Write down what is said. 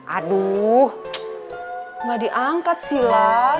aduh gak diangkat sih lah